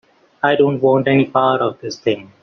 I don't want any part of this thing.